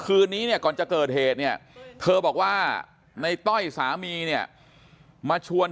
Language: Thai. คืนนี้เนี่ยก่อนจะเกิดเหตุเนี่ยเธอบอกว่าในต้อยสามีเนี่ยมาชวน